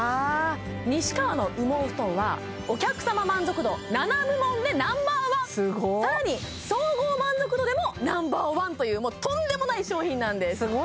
西川の羽毛布団はお客様満足度７部門でナンバーワンすご更に総合満足度でもナンバーワンというもうとんでもない商品なんです